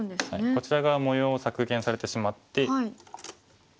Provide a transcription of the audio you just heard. こちら側模様を削減されてしまって。